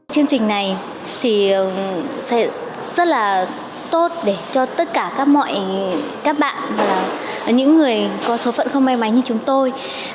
chương trình này thì sẽ rất là tốt để cho tất cả các mọi các bạn và những người có số phận không may mắn như chúng tôi